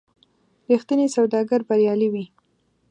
رښتینی سوداګر بریالی وي.